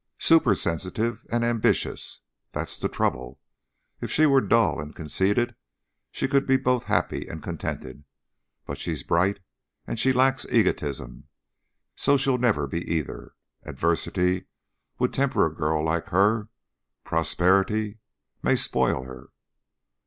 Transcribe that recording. "Supersensitive! And ambitious! That's the trouble. If she were dull and conceited she could be both happy and contented. But she's bright, and she lacks egotism, so she'll never be either. Adversity would temper a girl like her; prosperity may spoil her."